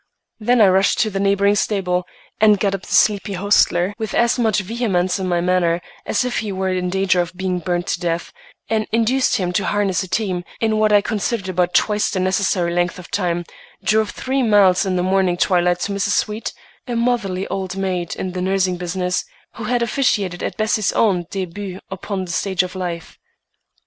Then I rushed to the neighboring stable, and got up the sleepy hostler with as much vehemence in my manner as if he were in danger of being burned to death, and induced him to harness a team, in what I considered about twice the necessary length of time; drove three miles in the morning twilight for Mrs. Sweet, a motherly old maid in the nursing business, who had officiated at Bessie's own début upon the stage of life.